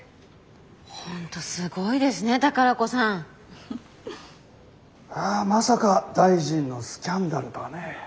ホントすごいですね宝子さん。まさか大臣のスキャンダルとはねえ。